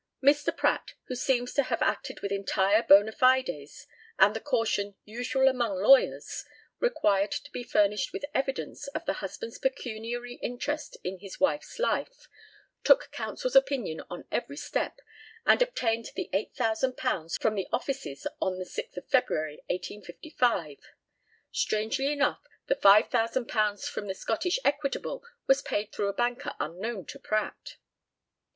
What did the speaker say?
Mr. Pratt, who seems to have acted with entire bona fides, and the caution usual among lawyers, required to be furnished with evidence of the husband's pecuniary interest in his wife's life, took counsel's opinion on every step, and obtained the £8,000 from the offices on the 6th of February, 1855; strangely enough, the £5,000 from the Scottish Equitable was paid through a banker unknown to Pratt.